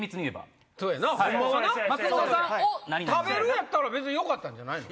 やったら別によかったんじゃないの？